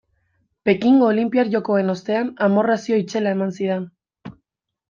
Pekingo olinpiar jokoen ostean amorrazio itzela eman zidan.